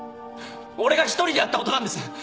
俺が一人でやったことなんです！